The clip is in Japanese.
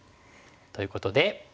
ということで。